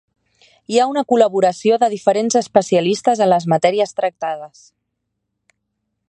Hi ha una col·laboració de diferents especialistes en les matèries tractades.